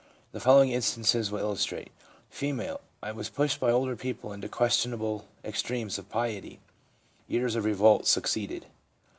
The follow ing instances will illustrate : F. ' I was pushed by older people into questionable extremes of piety/ (Years of revolt succeeded).